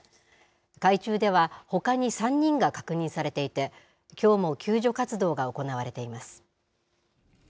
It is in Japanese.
海中では、ほかに３人が確認されていて、きょうも救助活動が行われています。